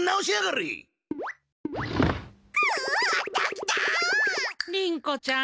りん子ちゃん